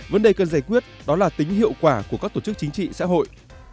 vấn đề cần giải quyết đó là tính hiệu quả của các tổ chức chính trị xã hội